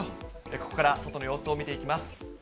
ここから外の様子を見ていきます。